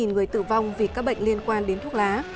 một mươi người tử vong vì các bệnh liên quan đến thuốc lá